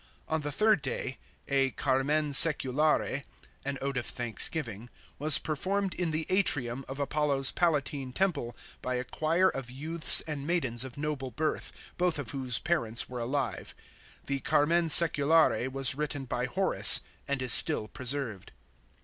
On the third day, a carmen sa&cufare — an ode of thanksgiving— was performed in the atrium of Apollo's Palatine temple by a choir of youths and maidens of noble birth, both of whose parents were alive. The carmen sseculare was written by Horace, and is still preserved.